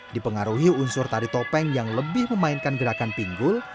dipengaruhi unsur tari topeng yang lebih memainkan gerakan pinggul